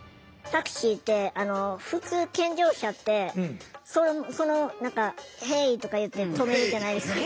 タクシーって普通健常者って何か「ヘイ！」とか言って止めるじゃないですか。